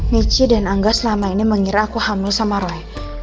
michi dan angga selama ini mengira aku hamil sama roy